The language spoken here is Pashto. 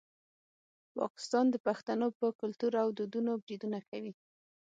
پاکستان د پښتنو په کلتور او دودونو بریدونه کوي.